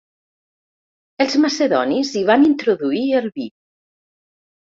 Els macedonis hi van introduir el vi.